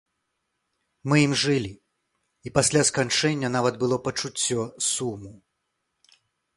Мы ім жылі, і пасля сканчэння нават было пачуццё суму.